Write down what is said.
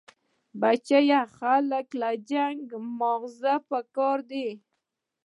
بچيه جنگ له مازغه پکار دي.